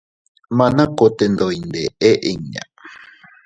Maan a kote ndo iyndeʼe inña.